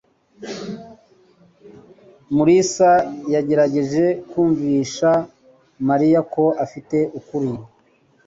Mulisa yagerageje kumvisha Mariya ko afite ukuri.